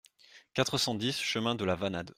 quatre cent dix chemin de la Vanade